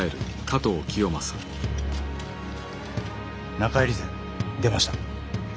中入り勢出ました。